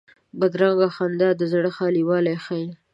بدرنګه خندا د زړه خالي والی ښيي